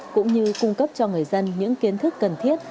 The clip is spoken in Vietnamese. cũng như cung cấp cho người dân những kiến thức cần thiết